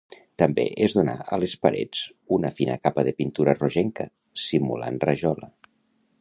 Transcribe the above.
També es donà a les parets una fina capa de pintura rogenca, simulant rajola.